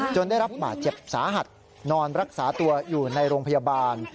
ได้รับบาดเจ็บสาหัสนอนรักษาตัวอยู่ในโรงพยาบาล